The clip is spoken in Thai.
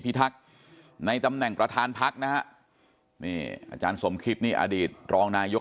ทักษ์ในตำแหน่งประธานพักนะฮะนี่อาจารย์สมคิตนี่อดีตรองนายก